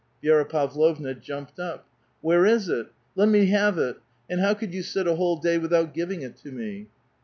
Vi^ra Pavlovna jumped up. " Where is it? Let me have it ! and how could you sit a whole day without giving it to me?"